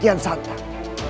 itu yang terakhir